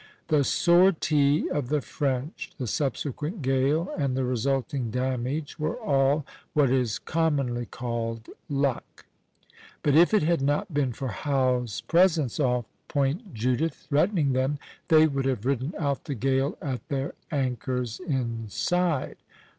The sortie of the French, the subsequent gale, and the resulting damage were all what is commonly called luck; but if it had not been for Howe's presence off Point Judith threatening them, they would have ridden out the gale at their anchors inside.